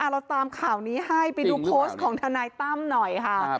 เราตามข่าวนี้ให้ไปดูโพสต์ของทนายตั้มหน่อยค่ะ